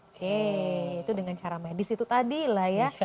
oke itu dengan cara medis itu tadi lah ya